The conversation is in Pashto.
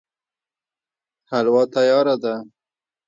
حلوا تياره ده